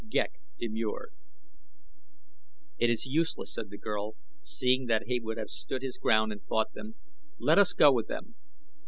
Ghek demurred. "It is useless," said the girl, seeing that he would have stood his ground and fought them. "Let us go with them.